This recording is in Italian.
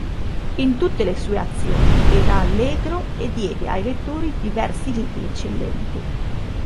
In tutte le sue azioni era allegro e diede ai lettori diversi libri eccellenti".